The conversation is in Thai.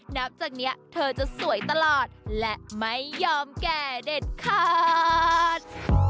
นับจากนี้เธอจะสวยตลอดและไม่ยอมแก่เด็ดขาด